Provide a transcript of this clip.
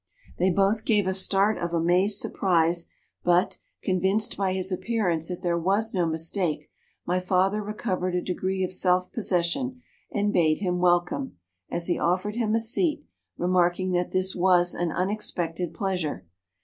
"They both gave a start of amazed surprise, but, convinced by his appearance that there was no mistake, my father recovered a degree of self possession, and bade him welcome, as he offered him a seat, remarking that this was an unexpected pleasure.